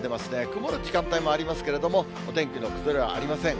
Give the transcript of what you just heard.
曇る時間帯もありますけれども、お天気の崩れはありません。